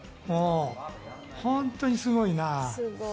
本当にすごいな。